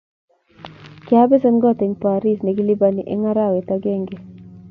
Kiabesen kot eng Paris nekilipani eng arawet agenge